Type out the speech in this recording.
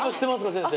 先生。